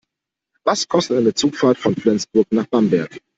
Was kostet eine Zugfahrt von Flensburg nach Bamberg?